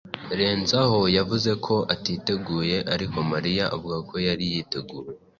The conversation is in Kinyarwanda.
Renzaho yavuze ko atiteguye, ariko Mariya avuga ko yari yiteguye.